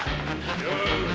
よし。